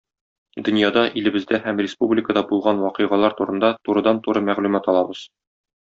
Дөньяда, илебездә һәм республикада булган вакыйгалар турында турыдан-туры мәгълүмат алабыз.